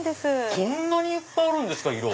こんなにいっぱいあるんですか色。